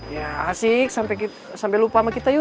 ya asik sampai lupa sama kita yuk